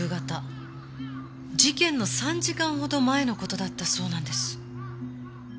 事件の３時間ほど前の事だったそうなんです。